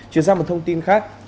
chuyển sang một thông tin khác